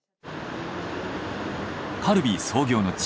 カルビー創業の地